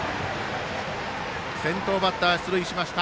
先頭バッター出塁しました。